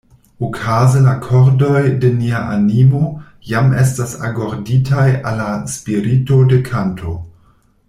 Okaze la kordoj de nia animo jam estas agorditaj al la spirito de kanto.